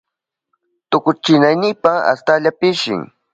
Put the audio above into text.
Tukuchinaynipa astalla pishin.